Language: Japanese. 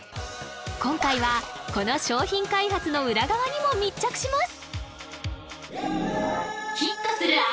今回はこの商品開発の裏側にも密着します